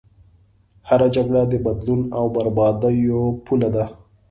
هره جګړه د بدلون او بربادیو پوله ده.